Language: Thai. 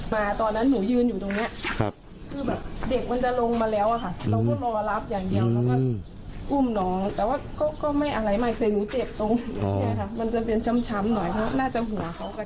มารีส่งของเรื่องไหนต้องขอบคุณนะคุณ